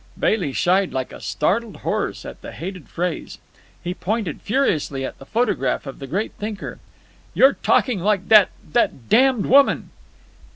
Bailey shied like a startled horse at the hated phrase. He pointed furiously at the photograph of the great thinker. "You're talking like that—that damned woman!"